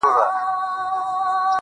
موري ډېوه دي ستا د نور د شفقت مخته وي~